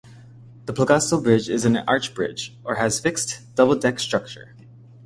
The Plougastel Bridge is an arch bridge, or has a fixed, double deck structure.